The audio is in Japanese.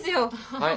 はい。